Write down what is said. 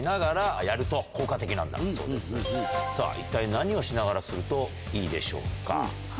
一体何をしながらするといいでしょうか？